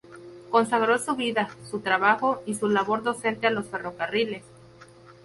Consagró su vida, su trabajo y su labor docente a los ferrocarriles.